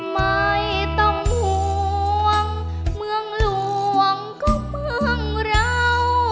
ไม่ต้องห่วงเมืองหลวงของเมืองเรา